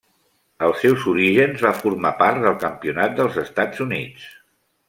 Als seus orígens va formar part del campionat dels Estats Units.